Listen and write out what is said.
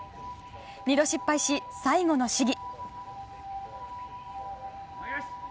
２度失敗し、最後の試技。